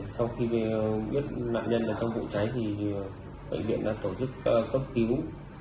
sau khi biết nạn nhân trong vụ cháy thì bệnh viện đã tổ chức cấp cứu